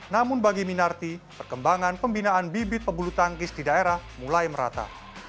namun bagi minarti perkembangan pembinaan bibit pebulu tangkis di daerah mulai merata